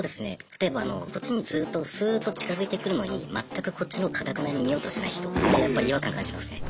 例えばあのこっちにずっとスーッと近づいてくるのに全くこっちのほう頑なに見ようとしない人やっぱり違和感感じますね。